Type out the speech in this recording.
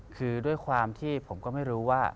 คือด้วยความที่ผมก็ไม่รู้ว่า